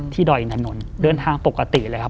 ที่ดอยน์ดานนท์เรื่องทางปกติเลยครับ